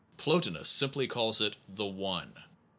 Plotinus simply calls it the One.